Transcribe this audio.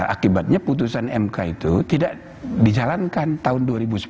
akibatnya putusan mk itu tidak dijalankan tahun dua ribu sepuluh